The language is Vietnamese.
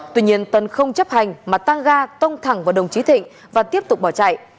tuy nhiên tân không chấp hành mà tăng ga tông thẳng vào đồng chí thịnh và tiếp tục bỏ chạy